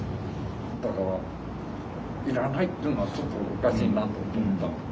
だからいらないっていうのはちょっとおかしいなと思ったんです。